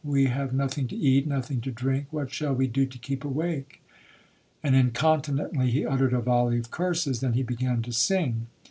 We have nothing to eat, nothing to drink, what shall we do to keep awake?' And incontinently he uttered a volley of curses. Then he began to sing.